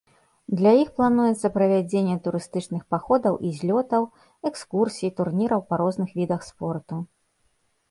Для іх плануецца правядзенне турыстычных паходаў і злётаў, экскурсій, турніраў па розных відах спорту.